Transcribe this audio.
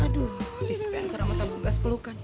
aduh dispenser sama tabung gas pelukan